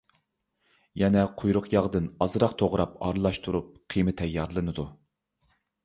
يەنە قۇيرۇق ياغدىن ئازراق توغراپ ئارىلاشتۇرۇپ قىيما تەييارلىنىدۇ.